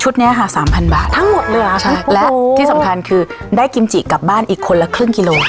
เนี้ยค่ะสามพันบาททั้งหมดเลยเหรอใช่และที่สำคัญคือได้กิมจิกลับบ้านอีกคนละครึ่งกิโล